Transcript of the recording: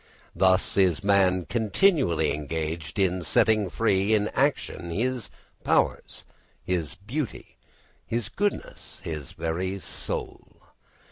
Thus is man continually engaged in setting free in action his powers, his beauty, his goodness, his very soul.